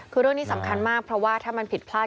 คือเรื่องนี้สำคัญมากเพราะว่าถ้ามันผิดพลาด